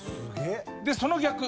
でその逆。